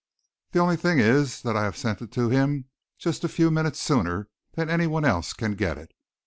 The only thing is that I have sent it to him just a few minutes sooner than any one else can get it.